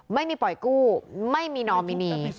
ไม่มีปล่อยกู้ไม่มีนอมินี